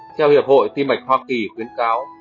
theo hiệp hội tim mạch hoa kỳ khuyến cáo